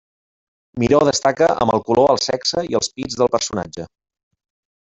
Miró destaca amb el color el sexe i els pits del personatge.